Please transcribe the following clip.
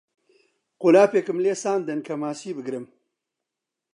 قولاپێکم لێ ساندن کە ماسی بگرم